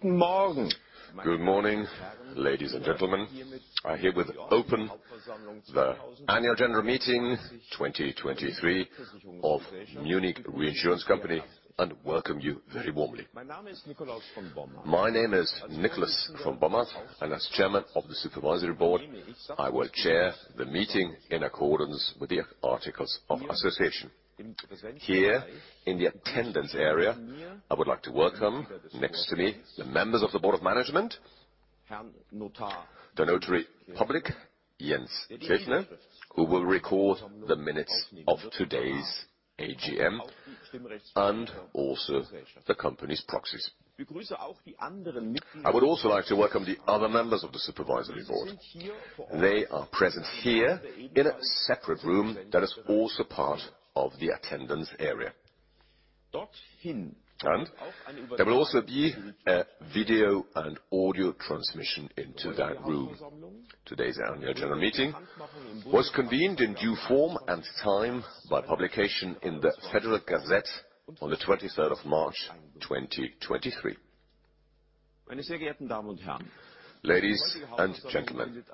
Good morning. Good morning, ladies and gentlemen. I herewith open the Annual General Meeting 2023 of Munich Reinsurance Company, and welcome you very warmly. My name is Nikolaus von Bomhard, and as Chairman of the Supervisory Board, I will chair the meeting in accordance with the articles of association. Here in the attendance area, I would like to welcome next to me the members of the Board of Management, the notary public, Jens B. Plettner, who will record the minutes of today's AGM, and also the company's proxies. I would also like to welcome the other members of the Supervisory Board. They are present here in a separate room that is also part of the attendance area. There will also be a video and audio transmission into that room. Today's Annual General Meeting was convened in due form and time by publication in the Federal Gazette on the 23rd of March, 2023. Ladies and gentlemen,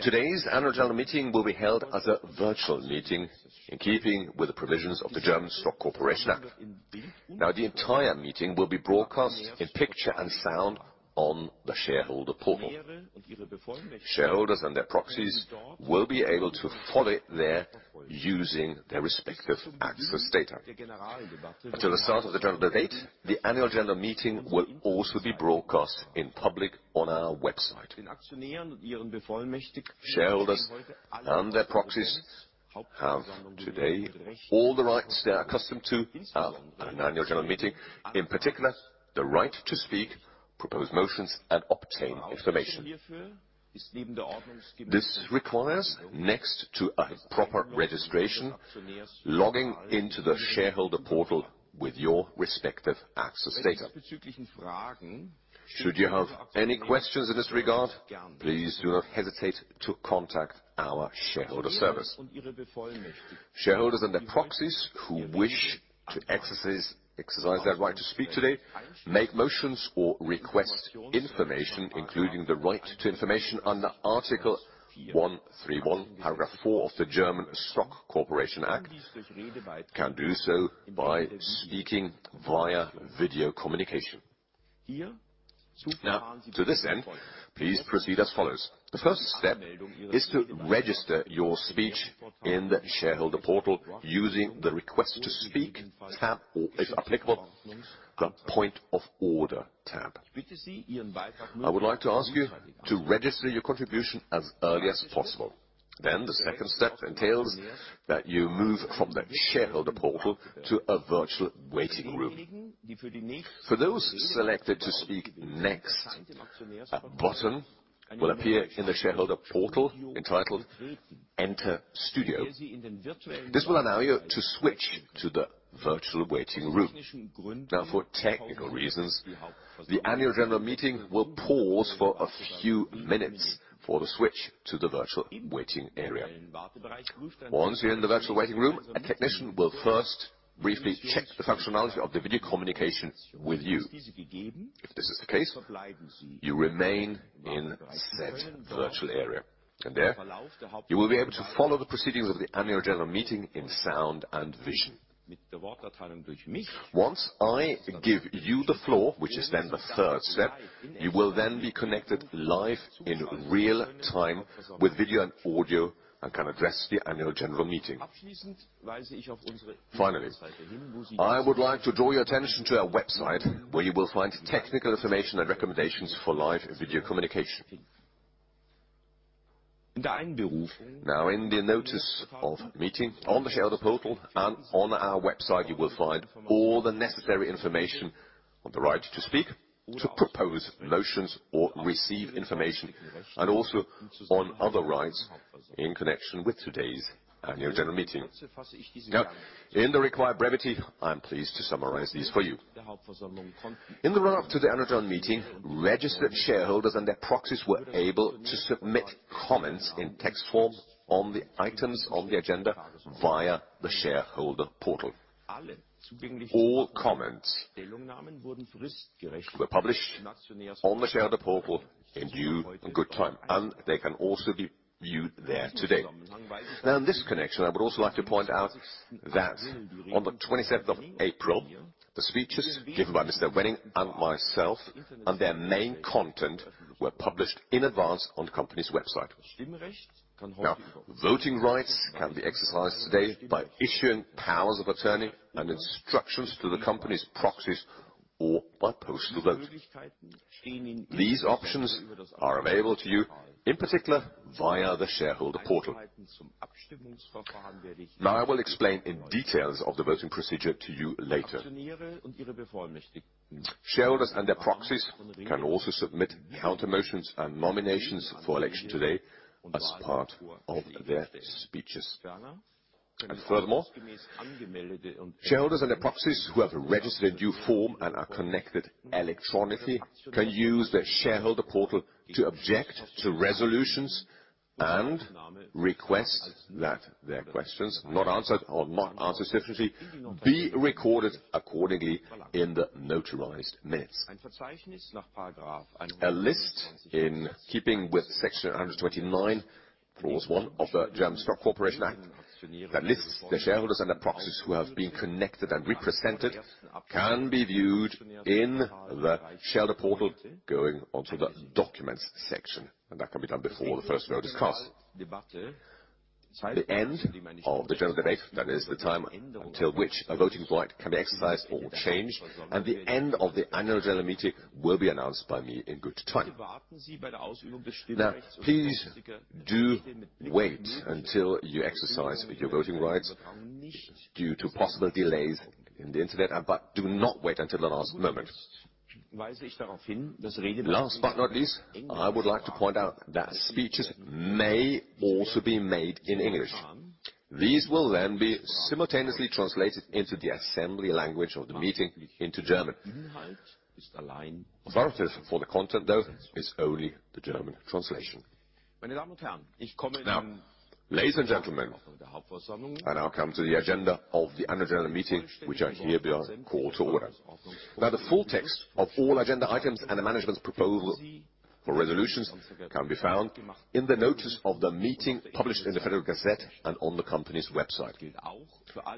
today's Annual General Meeting will be held as a virtual meeting in keeping with the provisions of the German Stock Corporation Act. Now, the entire meeting will be broadcast in picture and sound on the shareholder portal. Shareholders and their proxies will be able to follow it there using their respective access data. Until the start of the general debate, the Annual General Meeting will also be broadcast in public on our website. Shareholders and their proxies have today all the rights they are accustomed to at an Annual General Meeting, in particular, the right to speak, propose motions, and obtain information. This requires, next to a proper registration, logging into the shareholder portal with your respective access data. Should you have any questions in this regard, please do not hesitate to contact our shareholder service. Shareholders and their proxies who wish to exercise their right to speak today make motions or request information, including the right to information under Article 131, Paragraph 4 of the German Stock Corporation Act can do so by speaking via video communication. To this end, please proceed as follows. The first step is to register your speech in the shareholder portal using the Request to Speak tab, or if applicable, the Point of Order tab. I would like to ask you to register your contribution as early as possible. The second step entails that you move from the shareholder portal to a virtual waiting room. For those selected to speak next, a button will appear in the shareholder portal entitled Enter Studio. This will allow you to switch to the virtual waiting room. For technical reasons, the Annual General Meeting will pause for a few minutes for the switch to the virtual waiting area. Once you're in the virtual waiting room, a technician will first briefly check the functionality of the video communication with you. If this is the case, you remain in said virtual area. There, you will be able to follow the proceedings of the Annual General Meeting in sound and vision. Once I give you the floor, which is then the third step, you will then be connected live in real time with video and audio and can address the Annual General Meeting. I would like to draw your attention to our website, where you will find technical information and recommendations for live video communication. In the notice of meeting on the shareholder portal and on our website, you will find all the necessary information on the right to speak, to propose motions or receive information, and also on other rights in connection with today's Annual General Meeting. In the required brevity, I'm pleased to summarize these for you. In the run-up to the Annual General Meeting, registered shareholders and their proxies were able to submit comments in text form on the items of the agenda via the shareholder portal. All comments were published on the shareholder portal in due and good time, and they can also be viewed there today. In this connection, I would also like to point out that on the 27th of April, the speeches given by Mr. Wenning and myself and their main content were published in advance on the company's website. Now, voting rights can be exercised today by issuing powers of attorney and instructions to the company's proxies or by postal vote. These options are available to you, in particular, via the shareholder portal. Now, I will explain in details of the voting procedure to you later. Shareholders and their proxies can also submit countermotions and nominations for election today as part of their speeches. Furthermore, shareholders and their proxies who have registered due form and are connected electronically can use the shareholder portal to object to resolutions and request that their questions not answered or not answered sufficiently be recorded accordingly in the notarized minutes. A list in keeping with Section 129, Clause 1 of the German Stock Corporation Act that lists the shareholders and the proxies who have been connected and represented can be viewed in the shareholder portal going onto the Documents section, that can be done before the first round of discuss. The end of the general debate, that is the time until which a voting right can be exercised or changed at the end of the Annual General Meeting will be announced by me in good time. Please do wait until you exercise your voting rights due to possible delays in the internet, but do not wait until the last moment. Last but not least, I would like to point out that speeches may also be made in English. These will be simultaneously translated into the assembly language of the meeting into German. Authoritative for the content, though, is only the German translation. Ladies and gentlemen, I now come to the agenda of the annual general meeting, which I hereby call to order. The full text of all agenda items and the management's proposal for resolutions can be found in the notice of the meeting published in the Federal Gazette and on the company's website.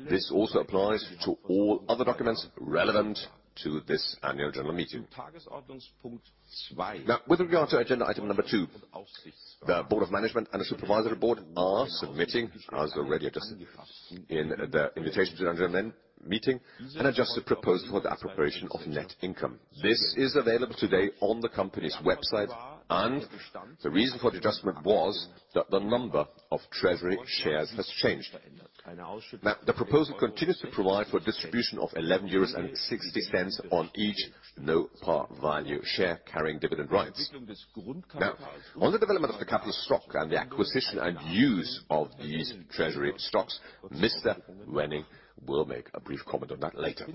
This also applies to all other documents relevant to this annual general meeting. With regard to agenda item number two, the board of management and the supervisory board are submitting, as already addressed in the invitation to the annual general meeting, an adjusted proposal for the appropriation of net income. This is available today on the company's website, and the reason for the adjustment was that the number of treasury shares has changed. The proposal continues to provide for distribution of 11.60 euros on each no par value share carrying dividend rights. On the development of the capital stock and the acquisition and use of these treasury stocks, Mr. Wenning will make a brief comment on that later.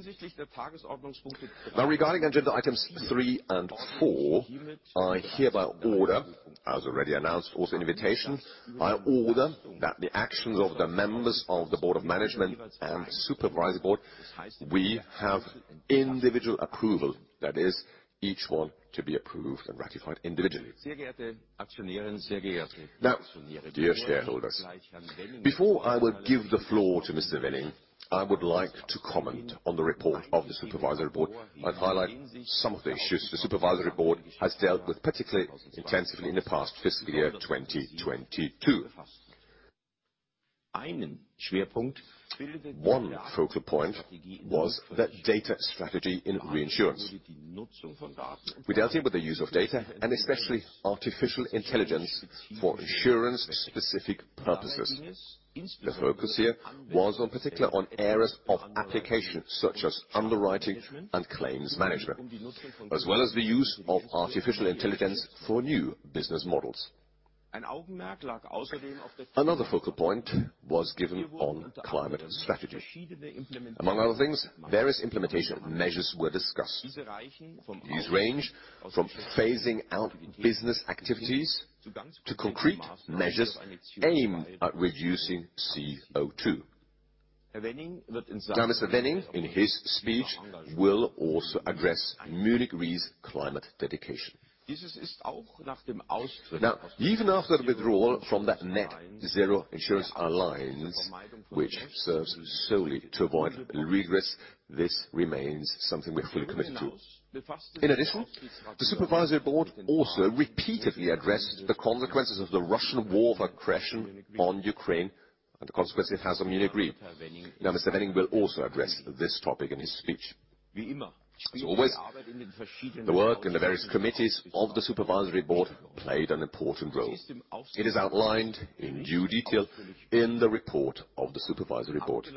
Regarding agenda items three and four, I hereby order, as already announced also in invitation, I order that the actions of the members of the Board of Management and Supervisory Board, we have individual approval, that is, each one to be approved and ratified individually. Dear shareholders, before I will give the floor to Mr. Wenning, I would like to comment on the report of the Supervisory Board and highlight some of the issues the Supervisory Board has dealt with particularly intensively in the past fiscal year 2022. One focal point was the data strategy in reinsurance. We dealt here with the use of data and especially artificial intelligence for insurance-specific purposes. The focus here was on particular on areas of application such as underwriting and claims management, as well as the use of artificial intelligence for new business models. Another focal point was given on climate strategy. Among other things, various implementation measures were discussed. These range from phasing out business activities to concrete measures aimed at reducing CO2. Now, Mr. Wenning, in his speech, will also address Munich Re's climate dedication. Now, even after the withdrawal from that Net-Zero Insurance Alliance, which serves solely to avoid regrets, this remains something we're fully committed to. In addition, the supervisory board also repeatedly addressed the consequences of the Russian war of aggression on Ukraine and the consequences it has on Munich Re. Now, Mr. Wenning will also address this topic in his speech. As always, the work in the various committees of the supervisory board played an important role. It is outlined in due detail in the report of the supervisory board.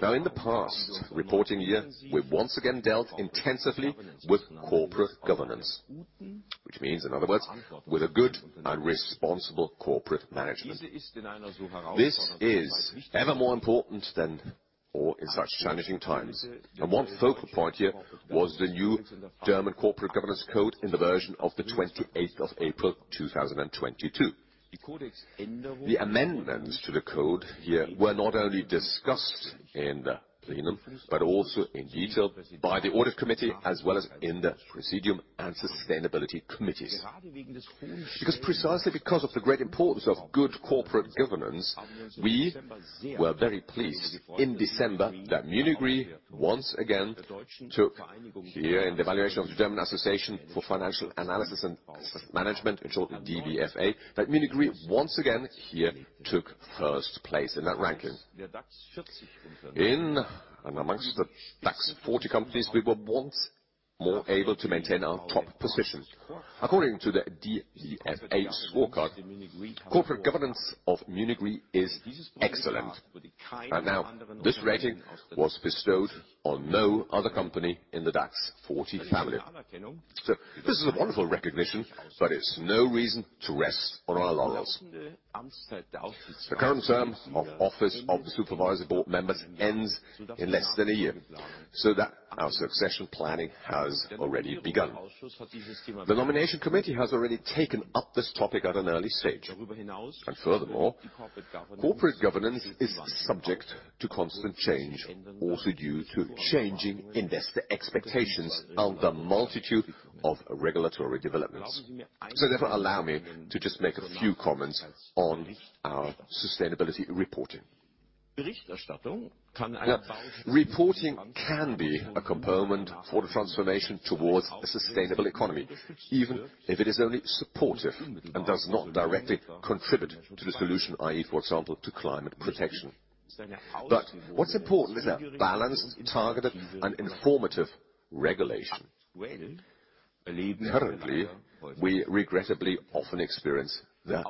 Now, in the past reporting year, we've once again dealt intensively with corporate governance, which means, in other words, with a good and responsible corporate management. This is ever more important than or in such challenging times. One focal point here was the new German Corporate Governance Code in the version of the 28th of April, 2022. The amendments to the Code here were not only discussed in the plenum but also in detail by the Audit Committee as well as in the Presidium and Sustainability Committees. Because precisely because of the great importance of good corporate governance, we were very pleased in December that Munich Re once again took here in the evaluation of the German Association for Financial Analysis and Asset Management, in short, DVFA, that Munich Re once again here took first place in that ranking. In and amongst the DAX 40 companies, we were once more able to maintain our top position. According to the DVFA scorecard, corporate governance of Munich Re is excellent. Now this rating was bestowed on no other company in the DAX 40 family. This is a wonderful recognition, but it's no reason to rest on our laurels. The current term of office of the supervisory board members ends in less than a year, so that our succession planning has already begun. The nomination committee has already taken up this topic at an early stage. Furthermore, Corporate Governance is subject to constant change, also due to changing investor expectations and the multitude of regulatory developments. Therefore, allow me to just make a few comments on our sustainability reporting. Reporting can be a component for the transformation towards a sustainable economy, even if it is only supportive and does not directly contribute to the solution, i.e., for example, to climate protection. What's important is a balanced, targeted, and informative regulation. Currently, we regrettably often experience the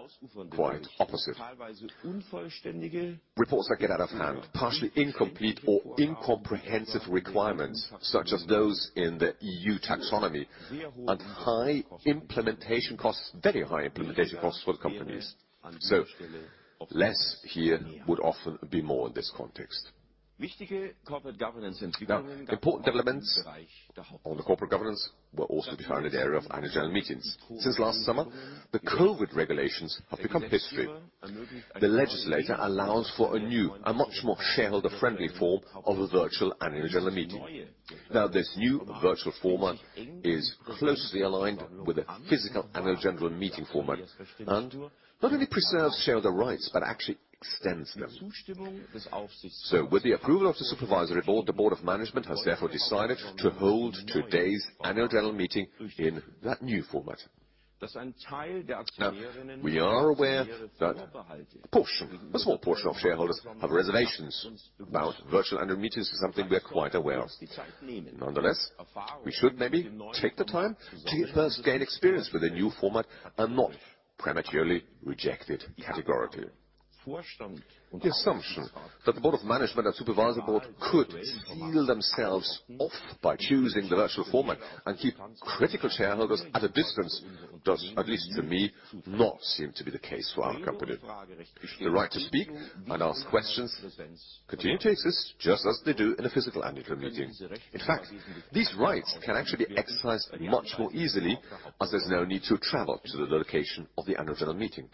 quite opposite. Reports that get out of hand, partially incomplete or incomprehensive requirements, such as those in the EU Taxonomy, and high implementation costs, very high implementation costs for the companies. Less here would often be more in this context. Important developments on the Corporate Governance were also defined in the area of annual general meetings. Since last summer, the COVID regulations have become history. The legislator allows for a new, a much more shareholder-friendly form of a virtual annual general meeting. This new virtual format is closely aligned with the physical annual general meeting format and not only preserves shareholder rights but actually extends them. With the approval of the supervisory board, the board of management has therefore decided to hold today's annual general meeting in that new format. We are aware that a portion, a small portion of shareholders have reservations about virtual annual meetings, is something we are quite aware of. Nonetheless, we should maybe take the time to first gain experience with the new format and not prematurely reject it categorically. The assumption that the board of management and supervisory board could heal themselves off by choosing the virtual format and keep critical shareholders at a distance does, at least to me, not seem to be the case for our company. The right to speak and ask questions continue to exist just as they do in a physical annual general meeting. These rights can actually be exercised much more easily as there's no need to travel to the location of the annual general meeting.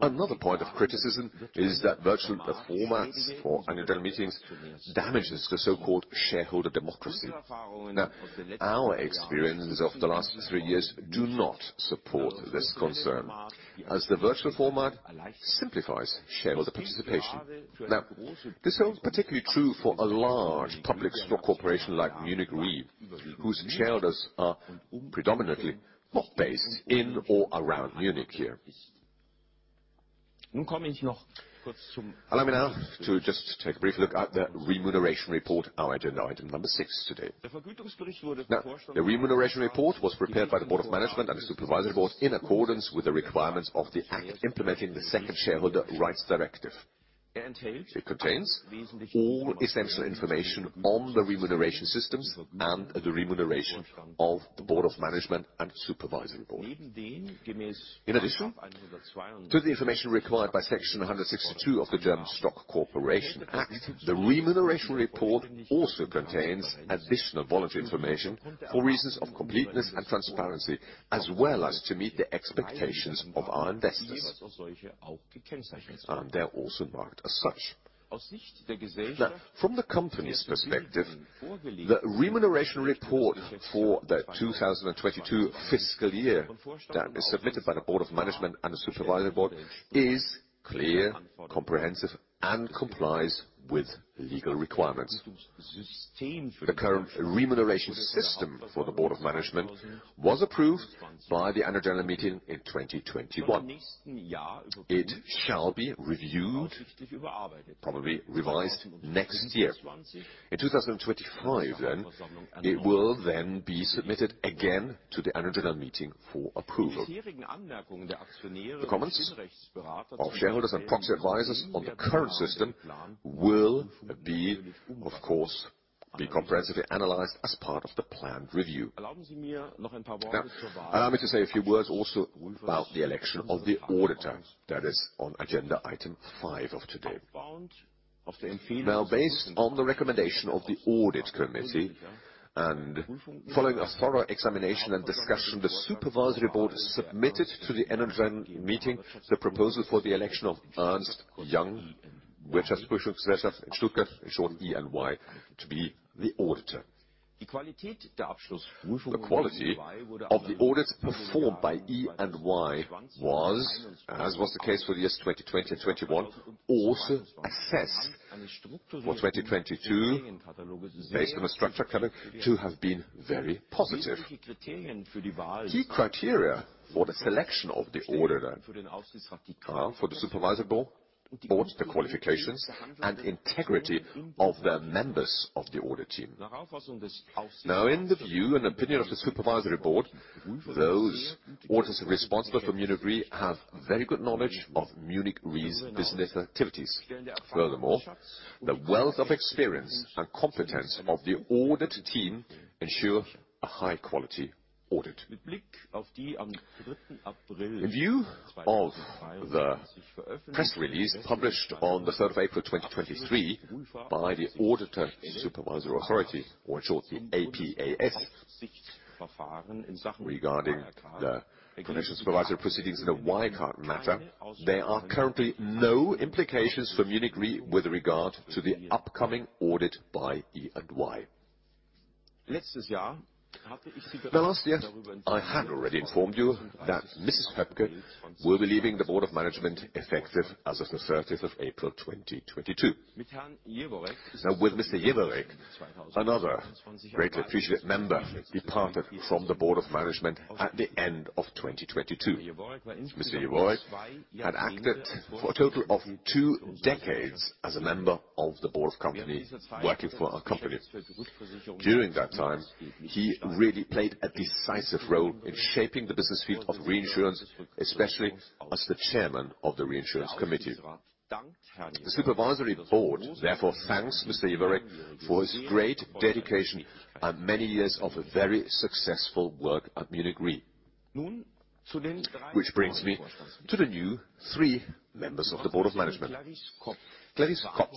Another point of criticism is that virtual formats for annual general meetings damages the so-called shareholder democracy. Our experiences of the last three years do not support this concern, as the virtual format simplifies shareholder participation. This holds particularly true for a large public stock corporation like Munich Re, whose shareholders are predominantly not based in or around Munich here. Allow me now to just take a brief look at the remuneration report, our agenda item number six today. The remuneration report was prepared by the board of management and the supervisory board in accordance with the requirements of the Act Implementing the Second Shareholder Rights Directive. It contains all essential information on the remuneration systems and the remuneration of the board of management and supervisory board. In addition to the information required by Section 162 of the German Stock Corporation Act, the remuneration report also contains additional voluntary information for reasons of completeness and transparency, as well as to meet the expectations of our investors. They're also marked as such. From the company's perspective, the remuneration report for the 2022 fiscal year that is submitted by the board of management and the supervisory board is clear, comprehensive, and complies with legal requirements. The current remuneration system for the board of management was approved by the annual general meeting in 2021. It shall be reviewed, probably revised next year. In 2025, it will then be submitted again to the annual general meeting for approval. The comments of shareholders and proxy advisors on the current system will be, of course, comprehensively analyzed as part of the planned review. Allow me to say a few words also about the election of the auditor that is on agenda item 5 of today. Now, based on the recommendation of the audit committee and following a thorough examination and discussion, the supervisory board submitted to the annual general meeting the proposal for the election of Ernst & Young GmbH Wirtschaftsprüfungsgesellschaft in Stuttgart, in short, EY, to be the auditor. The quality of the audits performed by EY was, as was the case for the years 2020 and 2021, also assessed for 2022 based on a structure catalog to have been very positive. Key criteria for the selection of the auditor, for the supervisory board, boards the qualifications and integrity of the members of the audit team. Now, in the view and opinion of the supervisory board, those auditors responsible for Munich Re have very good knowledge of Munich Re's business activities. Furthermore, the wealth of experience and competence of the audit team ensure a high-quality audit. In view of the press release published on the 3rd of April, 2023 by the Auditor Supervisory Authority, or in short, the APAS, regarding the financial supervisor proceedings in the Wirecard matter, there are currently no implications for Munich Re with regard to the upcoming audit by EY. Last year, I had already informed you that Mrs. Höpke will be leaving the board of management effective as of the 30th of April, 2022. Now, with Mr. Jeworrek, another greatly appreciated member departed from the board of management at the end of 2022. Mr. Jeworrek had acted for a total of 2 decades as a member of the board of company, working for our company. During that time, he really played a decisive role in shaping the business field of reinsurance, especially as the chairman of the reinsurance committee. The supervisory board therefore thanks Mr.Jeworrek for his great dedication and many years of a very successful work at Munich Re. Brings me to the new three members of the board of management. Clarisse Kopff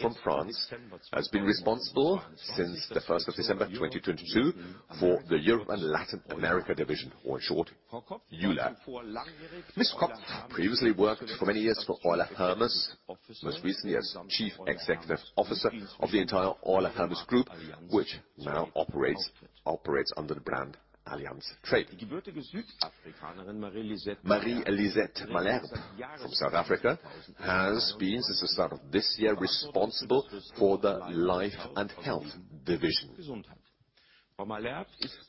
from France has been responsible since the first of December 2022 for the Europe and Latin America division, or in short, EULA. Miss Kopff previously worked for many years for Euler Hermes, most recently as Chief Executive Officer of the entire Euler Hermes Group, which now operates under the brand Allianz Trade. Mari-Lizette Malherbe from South Africa has been, since the start of this year, responsible for the life and health division.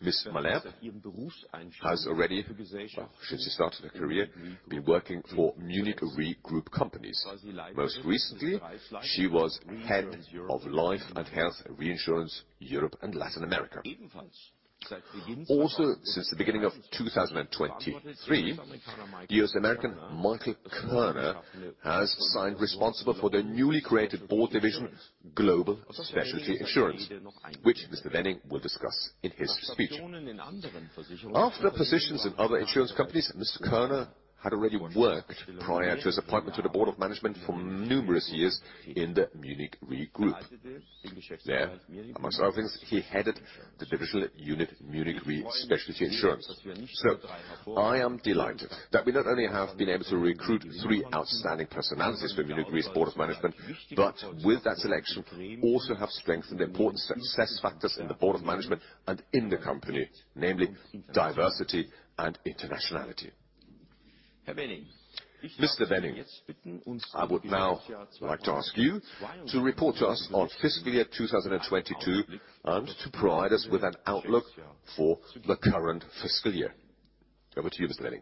Miss Malherbe has already, well, since she started her career, been working for Munich Re group companies. Most recently, she was Head of Life and Health Reinsurance, Europe and Latin America. Since the beginning of 2023, U.S. American Michael Kerner has signed responsible for the newly created Board Division, Global Specialty Insurance, which Mr. Wenning will discuss in his speech. After positions in other insurance companies, Mr. Kerner had already worked prior to his appointment to the Board of Management for numerous years in the Munich Re Group. There, among other things, he headed the divisional unit, Munich Re Specialty Insurance. I am delighted that we not only have been able to recruit three outstanding personalities for Munich Re's Board of Management, but with that selection also have strengthened the important success factors in the Board of Management and in the company, namely diversity and internationality. Mr. Wenning, I would now like to ask you to report to us on fiscal year 2022, and to provide us with an outlook for the current fiscal year. Over to you, Mr. Wenning.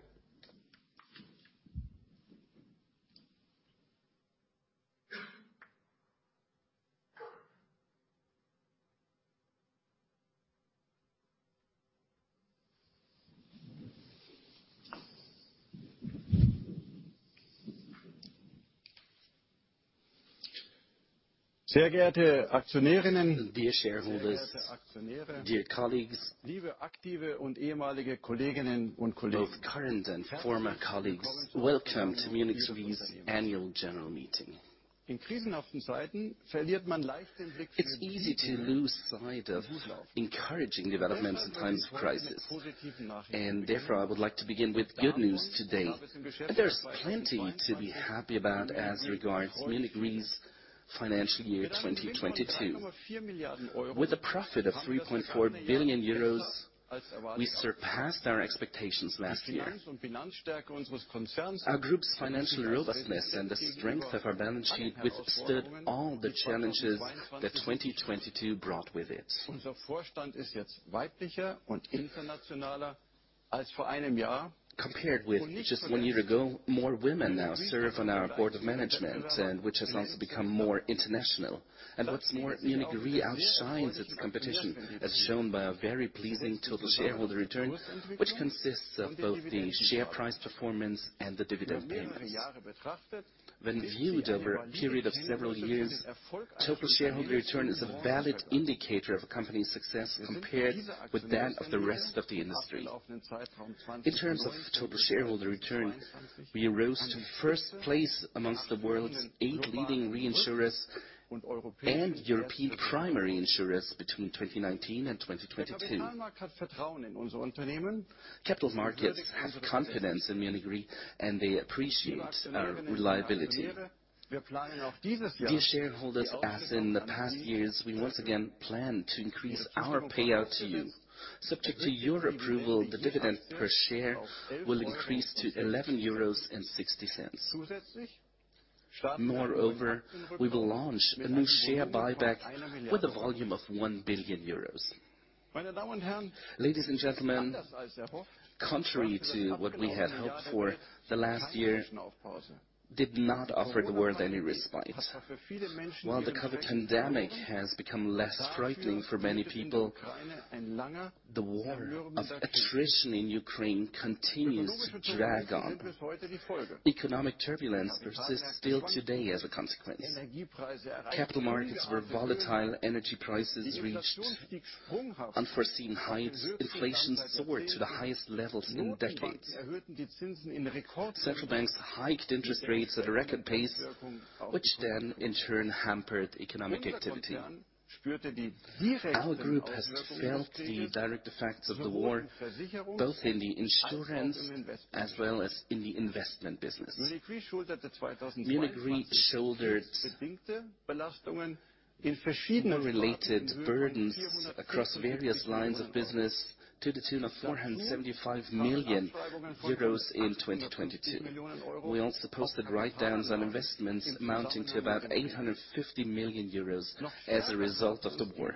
Dear shareholders, dear colleagues, both current and former colleagues, welcome to Munich Re's annual general meeting. It's easy to lose sight of encouraging developments in times of crisis. Therefore, I would like to begin with good news today. There's plenty to be happy about as regards Munich Re's financial year 2022. With a profit of 3.4 billion euros, we surpassed our expectations last year. Our group's financial robustness and the strength of our balance sheet withstood all the challenges that 2022 brought with it. Compared with just one year ago, more women now serve on our board of management and which has also become more international. What's more, Munich Re outshines its competition, as shown by a very pleasing total shareholder return, which consists of both the share price performance and the dividend payments. When viewed over a period of several years, total shareholder return is a valid indicator of a company's success compared with that of the rest of the industry. In terms of total shareholder return, we rose to first place amongst the world's eight leading reinsurers and European primary insurers between twenty nineteen and twenty twenty-two. Capital markets have confidence in Munich Re, and they appreciate our reliability. Dear shareholders, as in the past years, we once again plan to increase our payout to you. Subject to your approval, the dividend per share will increase to 11.60 euros. Moreover, we will launch a new share buyback with a volume of one billion euros. Ladies and gentlemen, contrary to what we had hoped for, the last year did not offer the world any respite. While the COVID pandemic has become less frightening for many people, the war of attrition in Ukraine continues to drag on. Economic turbulence persists still today as a consequence. Capital markets were volatile. Energy prices reached unforeseen heights. Inflation soared to the highest levels in decades. Central banks hiked interest rates at a record pace, which then in turn hampered economic activity. Our group has felt the direct effects of the war, both in the insurance as well as in the investment business. Munich Re shouldered war-related burdens across various lines of business to the tune of 475 million euros in 2022. We also posted write-downs on investments amounting to about 850 million euros as a result of the war.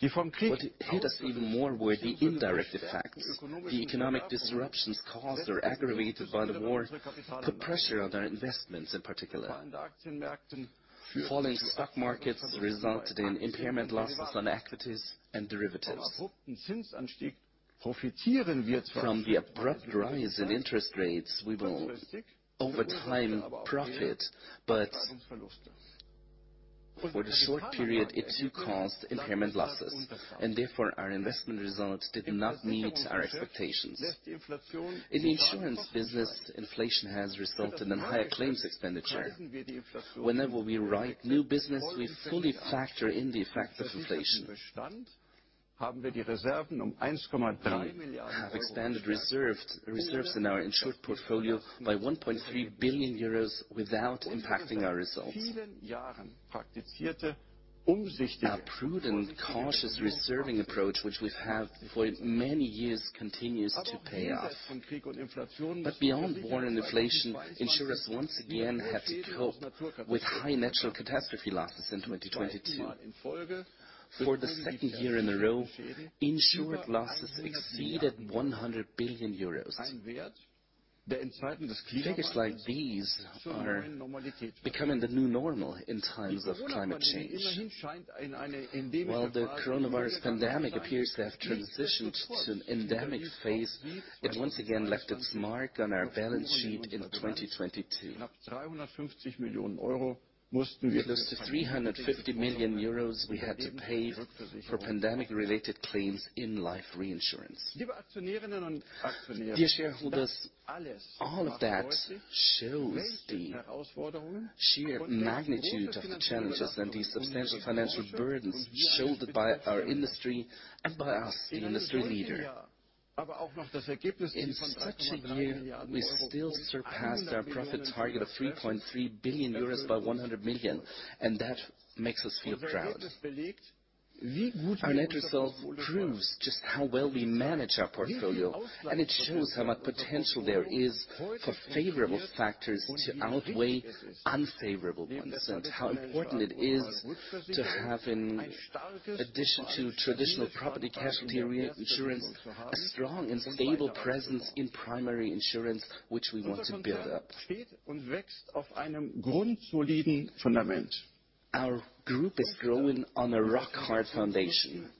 What hit us even more were the indirect effects. The economic disruptions caused or aggravated by the war put pressure on our investments, in particular. Falling stock markets resulted in impairment losses on equities and derivatives. From the abrupt rise in interest rates, we will over time profit, but for the short period, it too caused impairment losses. Therefore, our investment results did not meet our expectations. In the insurance business, inflation has resulted in a higher claims expenditure. Whenever we write new business, we fully factor in the effects of inflation. We have expanded reserves in our insured portfolio by 1.3 billion euros without impacting our results. Our prudent, cautious reserving approach, which we've had for many years, continues to pay off. Beyond war and inflation, insurers once again had to cope with high natural catastrophe losses in 2022. For the second year in a row, insured losses exceeded 100 billion euros. Figures like these are becoming the new normal in times of climate change. While the coronavirus pandemic appears to have transitioned to an endemic Phase, it once again left its mark on our balance sheet in 2022. With 350 million euro, we had to pay for pandemic-related claims in life reinsurance. Dear shareholders, all of that shows the sheer magnitude of the challenges and the substantial financial burdens shouldered by our industry and by us, the industry leader. In such a year, we still surpassed our profit target of 3.3 billion euros by 100 million. That makes us feel proud. Our net result proves just how well we manage our portfolio. It shows how much potential there is for favorable factors to outweigh unfavorable ones. How important it is to have, in addition to traditional property casualty insurance, a strong and stable presence in primary insurance, which we want to build up. Our group is growing on a rock-hard foundation.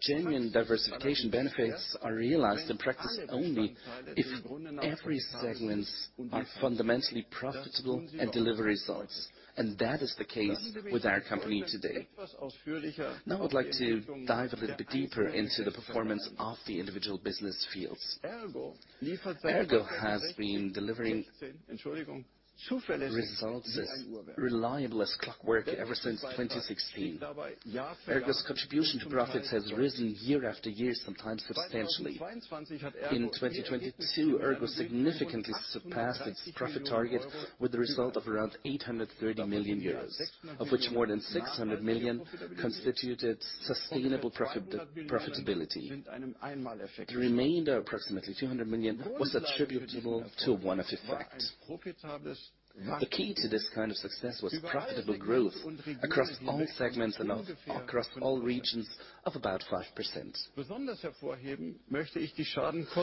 Genuine diversification benefits are realized in practice only if every segments are fundamentally profitable and deliver results. That is the case with our company today. Now I'd like to dive a little bit deeper into the performance of the individual business fields. ERGO has been delivering results as reliable as clockwork ever since 2016. ERGO's contribution to profits has risen year after year, sometimes substantially. In 2022, ERGO significantly surpassed its profit target with a result of around 830 million euros. Of which more than 600 million constituted sustainable profitability. The remainder, approximately 200 million, was attributable to one-off effects. The key to this kind of success was profitable growth across all segments and across all regions of about 5%.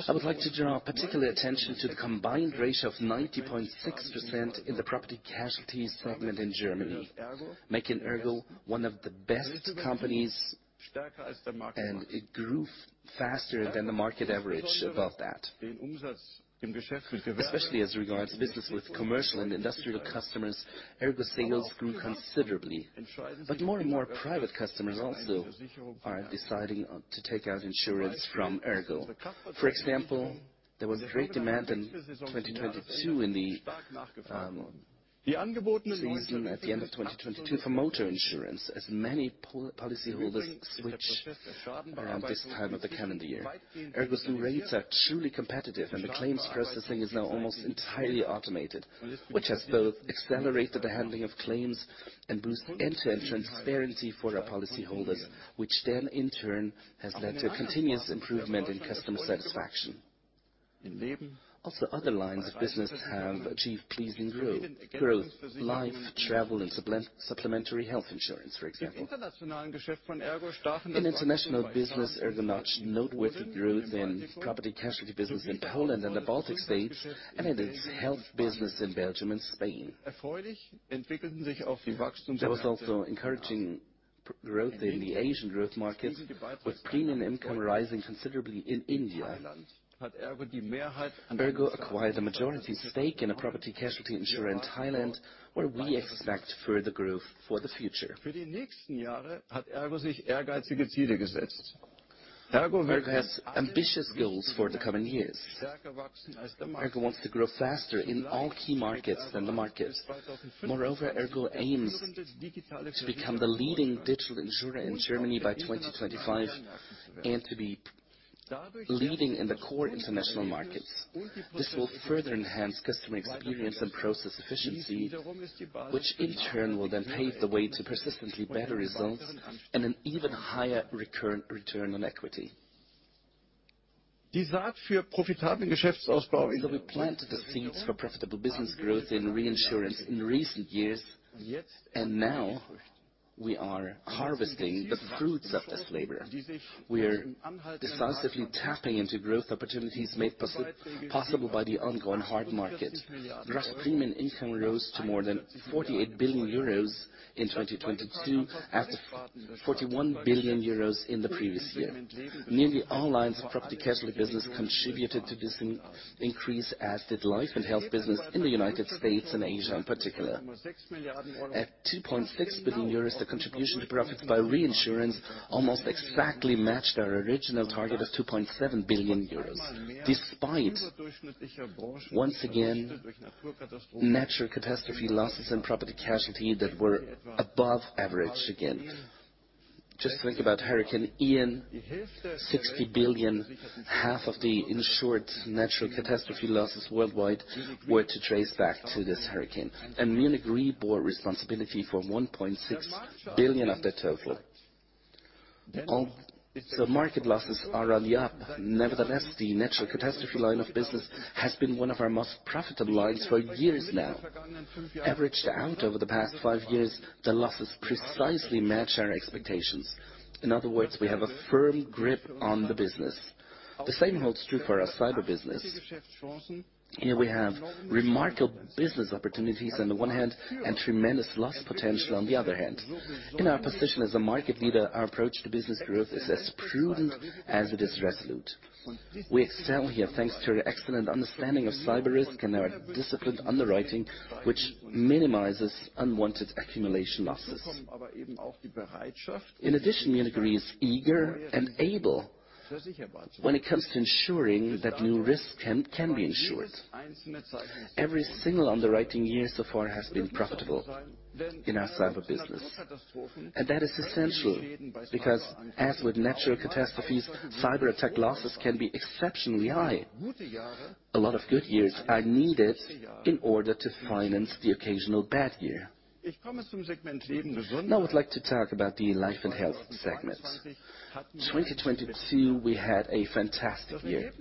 I would like to draw particular attention to the combined ratio of 90.6% in the property casualty segment in Germany, making ERGO one of the best companies, and it grew faster than the market average above that. Especially as regards business with commercial and industrial customers, ERGO sales grew considerably. More and more private customers also are deciding on to take out insurance from ERGO. For example, there was great demand in 2022 in the season at the end of 2022 for motor insurance, as many policyholders switch around this time of the calendar year. ERGO's new rates are truly competitive, and the claims processing is now almost entirely automated, which has both accelerated the handling of claims and boost end-to-end transparency for our policyholders, which then, in turn, has led to a continuous improvement in customer satisfaction. Other lines of business have achieved pleasing growth. Life, travel, and supplementary health insurance, for example. In international business, ERGO notched noteworthy growth in property casualty business in Poland and the Baltic States, and in its health business in Belgium and Spain. There was also encouraging growth in the Asian growth market, with premium income rising considerably in India. ERGO acquired a majority stake in a property casualty insurer in Thailand, where we expect further growth for the future. ERGO has ambitious goals for the coming years. ERGO wants to grow faster in all key markets than the markets. Moreover, ERGO aims to become the leading digital insurer in Germany by 2025, and to be leading in the core international markets. This will further enhance customer experience and process efficiency, which in turn will then pave the way to persistently better results and an even higher recurrent return on equity. We planted the seeds for profitable business growth in reinsurance in recent years, and now we are harvesting the fruits of this labor. We are decisively tapping into growth opportunities made possible by the ongoing hard market. Gross premium income rose to more than 48 billion euros in 2022, after 41 billion euros in the previous year. Nearly all lines of property casualty business contributed to this increase, as did life and health business in the United States and Asia in particular. At 2.6 billion euros, the contribution to profit by reinsurance almost exactly matched our original target of 2.7 billion euros, despite, once again, natural catastrophe losses and property casualty that were above average again. Just think about Hurricane Ian. 60 billion, half of the insured natural catastrophe losses worldwide, were to trace back to this hurricane. Munich Re bore responsibility for 1.6 billion of the total. Market losses are on the up. Nevertheless, the natural catastrophe line of business has been one of our most profitable lines for years now. Averaged out over the past five years, the losses precisely match our expectations. In other words, we have a firm grip on the business. The same holds true for our cyber business. Here we have remarkable business opportunities on the one hand and tremendous loss potential on the other hand. In our position as a market leader, our approach to business growth is as prudent as it is resolute. We excel here thanks to our excellent understanding of cyber risk and our disciplined underwriting, which minimizes unwanted accumulation losses. In addition, Munich Re is eager and able when it comes to ensuring that new risk can be insured. Every single underwriting year so far has been profitable in our cyber business. That is essential because, as with natural catastrophes, cyberattack losses can be exceptionally high. A lot of good years are needed in order to finance the occasional bad year. Now I'd like to talk about the life and health segment. 2022 we had a fantastic year.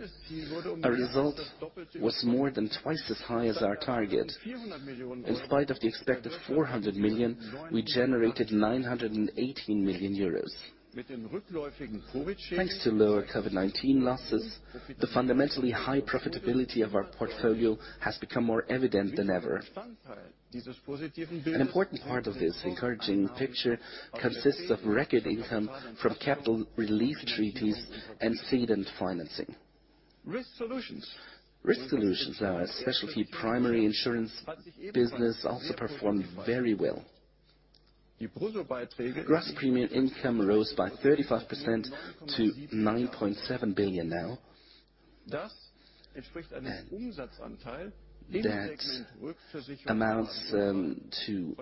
Our result was more than twice as high as our target. In spite of the expected 400 million, we generated 918 million euros. Thanks to lower COVID-19 losses, the fundamentally high profitability of our portfolio has become more evident than ever. An important part of this encouraging picture consists of record income from capital relief treaties and ceding financing. Risk Solutions, our specialty primary insurance business, also performed very well. Gross premium income rose by 35% to 9.7 billion now. That amounts to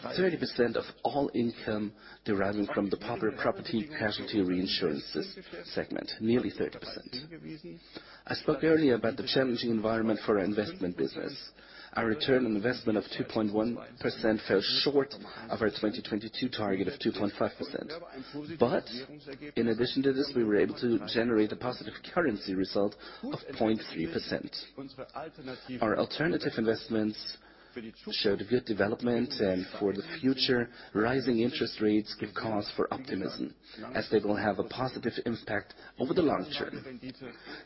30% of all income deriving from the popular property casualty reinsurance segment, nearly 30%. I spoke earlier about the challenging environment for our investment business. Our return on investment of 2.1% fell short of our 2022 target of 2.5%. In addition to this, we were able to generate a positive currency result of 0.3%. Our alternative investments showed a good development, and for the future, rising interest rates give cause for optimism, as they will have a positive impact over the long term.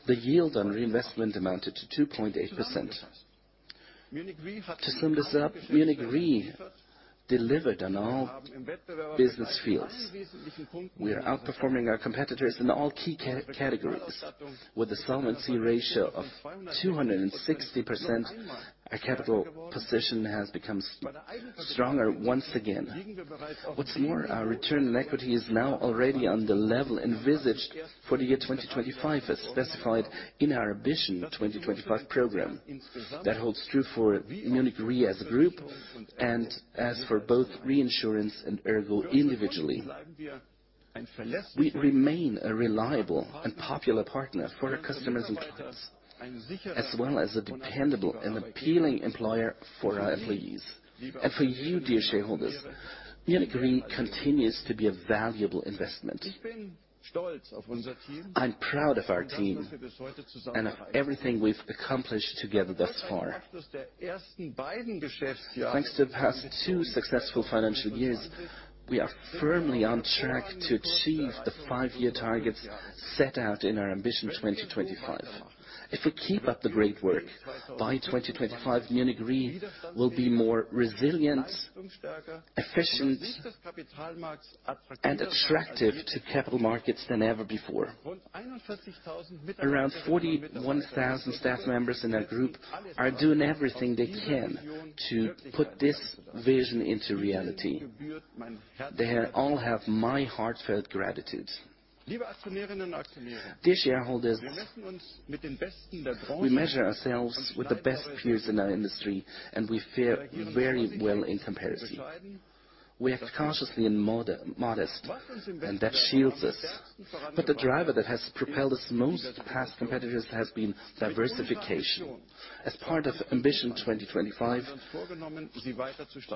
The yield on reinvestment amounted to 2.8%. To sum this up, Munich Re delivered on all business fields. We are outperforming our competitors in all key categories. With a solvency ratio of 260%, our capital position has become stronger once again. What's more, our return on equity is now already on the level envisaged for the year 2025, as specified in our Ambition 2025 program. That holds true for Munich Re as a group and as for both reinsurance and ERGO individually. We remain a reliable and popular partner for our customers and clients, as well as a dependable and appealing employer for our employees. For you, dear shareholders, Munich Re continues to be a valuable investment. I'm proud of our team and of everything we've accomplished together thus far. Thanks to the past two successful financial years, we are firmly on track to achieve the five-year targets set out in our Ambition 2025. If we keep up the great work, by 2025, Munich Re will be more resilient, efficient, and attractive to capital markets than ever before. Around 41,000 staff members in our group are doing everything they can to put this vision into reality. They all have my heartfelt gratitude. Dear shareholders, we measure ourselves with the best peers in our industry, and we fare very well in comparison. We act cautiously and modest, and that shields us. The driver that has propelled us most past competitors has been diversification. As part of Ambition 2025,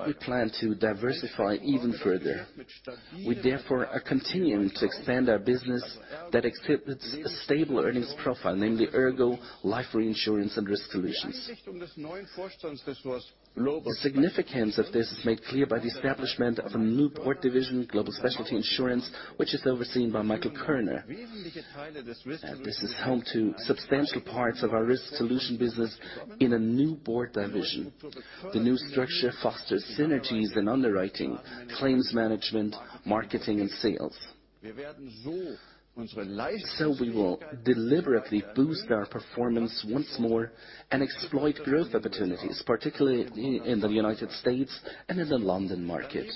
we plan to diversify even further. We therefore are continuing to expand our business that exhibits a stable earnings profile, namely ERGO life reinsurance and Risk Solutions. The significance of this is made clear by the establishment of a new board division, Global Specialty Insurance, which is overseen by Michael Kerner. This is home to substantial parts of our Risk Solutions business in a new board division. The new structure fosters synergies and underwriting, claims management, marketing and sales. We will deliberately boost our performance once more and exploit growth opportunities, particularly in the United States and in the London market.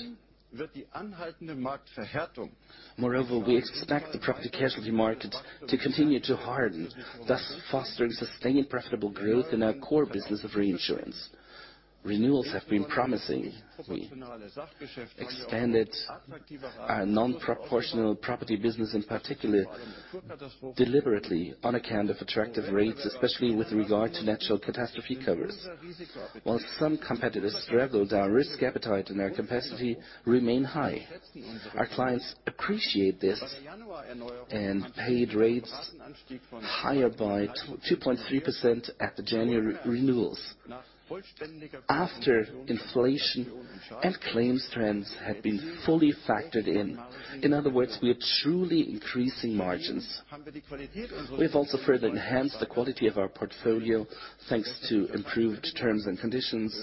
Moreover, we expect the property casualty market to continue to harden, thus fostering sustained profitable growth in our core business of reinsurance. Renewals have been promising. We expanded our non-proportional property business, in particular, deliberately on account of attractive rates, especially with regard to natural catastrophe covers. While some competitors struggle, our risk appetite and our capacity remain high. Our clients appreciate this and paid rates higher by 2.3% at the January renewals, after inflation and claims trends have been fully factored in. In other words, we are truly increasing margins. We have also further enhanced the quality of our portfolio, thanks to improved terms and conditions,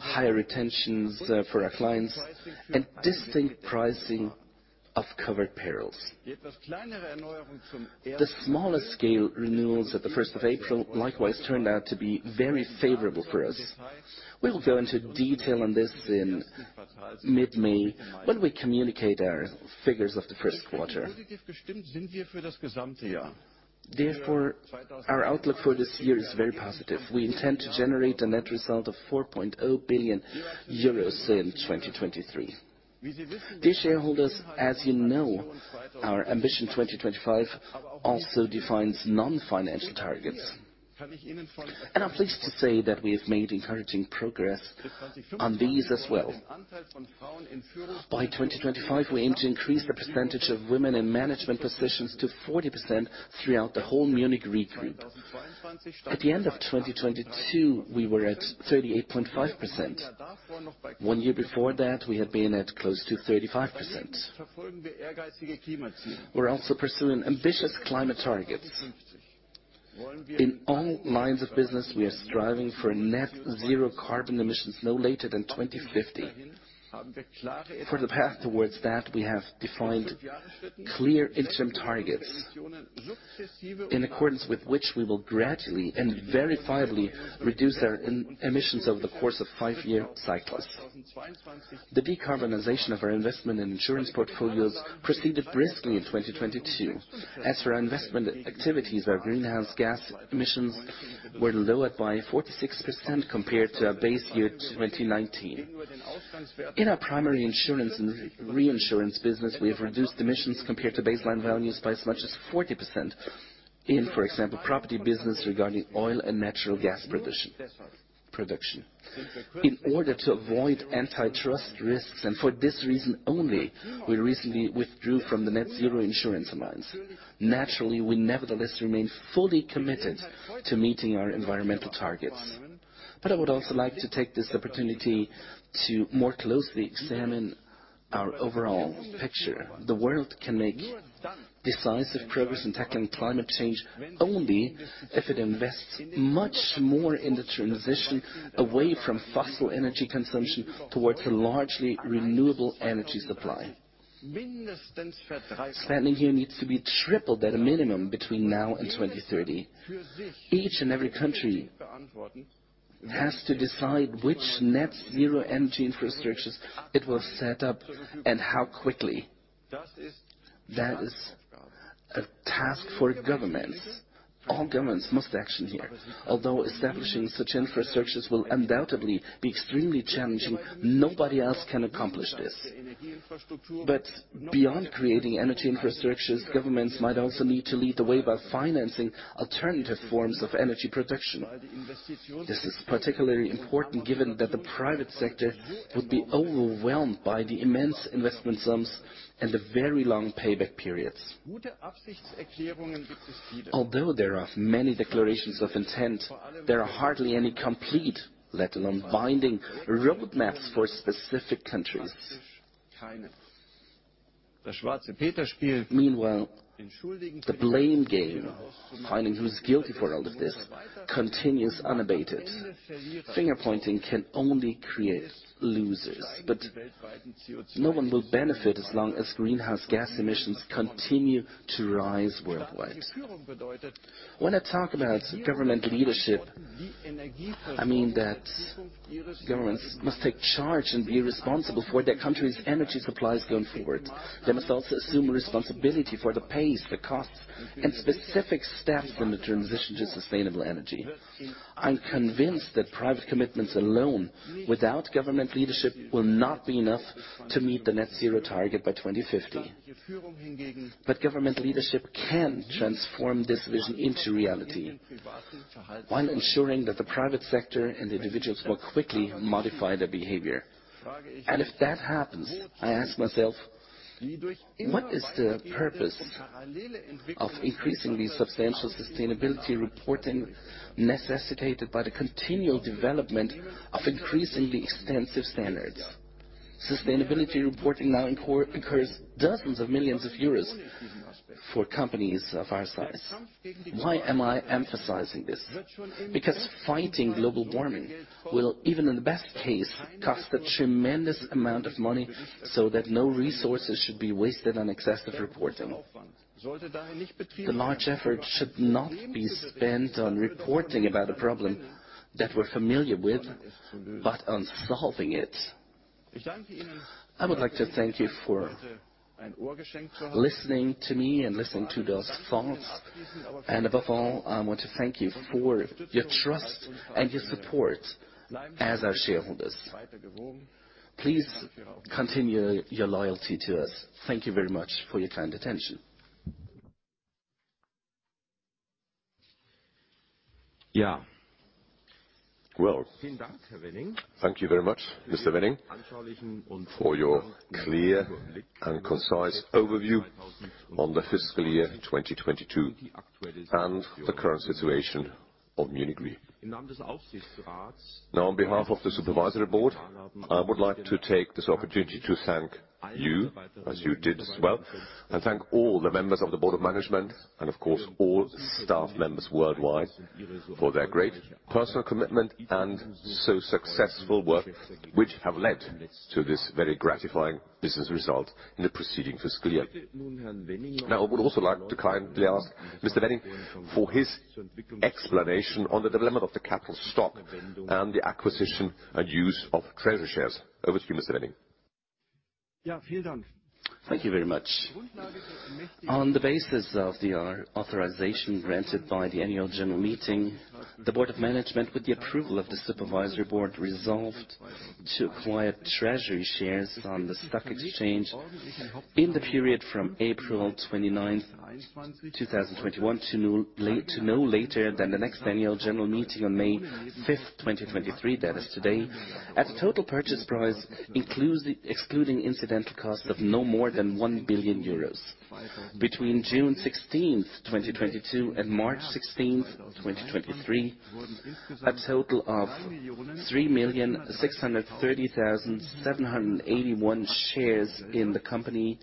higher retentions for our clients, and distinct pricing of covered perils. The smallest scale renewals at the 1st of April, likewise turned out to be very favorable for us. We will go into detail on this in mid-May when we communicate our figures of the Q1. Our outlook for this year is very positive. We intend to generate a net result of 4.0 billion euros in 2023. Dear shareholders, as you know, our Ambition 2025 also defines non-financial targets. I'm pleased to say that we have made encouraging progress on these as well. By 2025, we aim to increase the percentage of women in management positions to 40% throughout the whole Munich Re Group. At the end of 2022, we were at 38.5%. One year before that, we had been at close to 35%. We're also pursuing ambitious climate targets. In all lines of business, we are striving for net-zero carbon emissions no later than 2050. For the path towards that, we have defined clear interim targets in accordance with which we will gradually and verifiably reduce our emissions over the course of five-year cycles. The decarbonization of our investment and insurance portfolios proceeded briskly in 2022. As for our investment activities, our greenhouse gas emissions were lowered by 46% compared to our base year, 2019. In our primary insurance and reinsurance business, we have reduced emissions compared to baseline values by as much as 40% in, for example, property business regarding oil and natural gas production. In order to avoid antitrust risks, and for this reason only, we recently withdrew from the Net-Zero Insurance Alliance. Naturally, we nevertheless remain fully committed to meeting our environmental targets. I would also like to take this opportunity to more closely examine our overall picture. The world can make decisive progress in tackling climate change only if it invests much more in the transition away from fossil energy consumption towards a largely renewable energy supply. Spending here needs to be tripled at a minimum between now and 2030. Each and every country has to decide which net-zero energy infrastructures it will set up and how quickly. That is a task for governments. All governments must action here. Establishing such infrastructures will undoubtedly be extremely challenging, nobody else can accomplish this. Beyond creating energy infrastructures, governments might also need to lead the way by financing alternative forms of energy production. This is particularly important given that the private sector would be overwhelmed by the immense investment sums and the very long payback periods. There are many declarations of intent, there are hardly any complete, let alone binding roadmaps for specific countries. Meanwhile, the blame game, finding who's guilty for all of this, continues unabated. Finger-pointing can only create losers. No one will benefit as long as greenhouse gas emissions continue to rise worldwide. When I talk about government leadership, I mean that governments must take charge and be responsible for their country's energy supplies going forward. They must also assume responsibility for the pace, the cost, and specific steps in the transition to sustainable energy. I'm convinced that private commitments alone without government leadership will not be enough to meet the net-zero target by 2050. Government leadership can transform this vision into reality while ensuring that the private sector and individuals will quickly modify their behavior. If that happens, I ask myself, what is the purpose of increasingly substantial sustainability reporting necessitated by the continual development of increasingly extensive standards? Sustainability reporting now incurs dozens of millions of EUR for companies of our size. Why am I emphasizing this? Fighting global warming will, even in the best case, cost a tremendous amount of money so that no resources should be wasted on excessive reporting. The large effort should not be spent on reporting about a problem that we're familiar with, but on solving it. I would like to thank you for listening to me and listening to those thoughts. Above all, I want to thank you for your trust and your support as our shareholders. Please continue your loyalty to us. Thank you very much for your kind attention. Thank you very much, Mr. Wenning, for your clear and concise overview on the fiscal year 2022 and the current situation of Munich Re. On behalf of the Supervisory Board, I would like to take this opportunity to thank you, as you did as well, and thank all the members of the Board of Management and, of course, all staff members worldwide for their great personal commitment and so successful work, which have led to this very gratifying business result in the preceding fiscal year. I would also like to kindly ask Mr. Wenning for his explanation on the development of the capital stock and the acquisition and use of treasury shares. Over to you, Mr. Wenning. Thank you very much. On the basis of the authorization granted by the annual general meeting, the Board of Management, with the approval of the Supervisory Board, resolved to acquire treasury shares on the stock exchange in the period from April 29, 2021 to no later than the next annual general meeting on May 5, 2023, that is today, at a total purchase price excluding incidental cost of no more than 1 billion euros. Between June 16, 2022 and March 16, 2023, a total of 3,630,781 shares in the company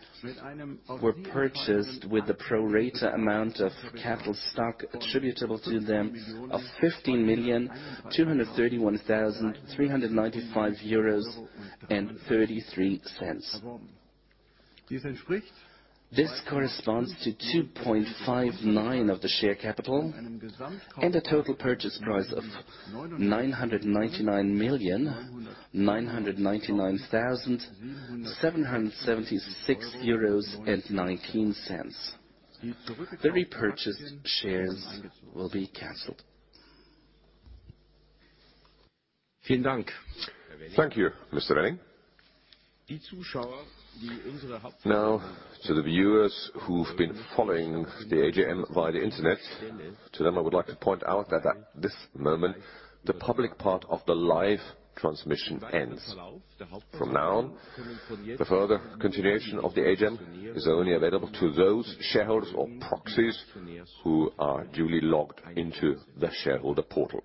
were purchased with the pro rata amount of capital stock attributable to them of 15,231,395.33 euros. This corresponds to 2.59% of the share capital and a total purchase price of 999,999,776.19 euros. The repurchased shares will be canceled. Thank you, Mr. Wenning. Now, to the viewers who've been following the AGM via the Internet, to them, I would like to point out that at this moment, the public part of the live transmission ends. From now on, the further continuation of the AGM is only available to those shareholders or proxies who are duly logged into the shareholder portal.